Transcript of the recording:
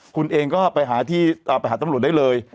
คุณเองก็ไปหาที่ไปหาตำรวจได้เลย